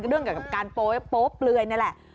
เรื่องกับการโป๊บเลยนั่นแหละ